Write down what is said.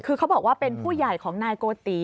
คือเขาบอกว่าเป็นผู้ใหญ่ของนายโกติ